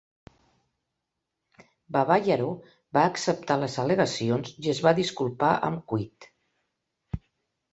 Babayaro va acceptar les al·legacions i es va disculpar amb Kuyt.